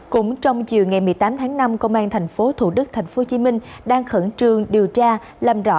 cũng trong chiều ngày một mươi tám tháng năm công an tp thủ đức tp hcm đang khẩn trương điều tra làm rõ